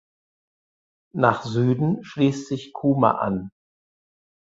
Nach Süden schließt sich Kuma an.